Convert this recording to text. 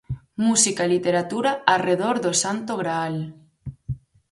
Música e literatura arredor do Santo Graal.